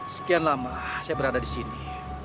sekian lama saya berada di sini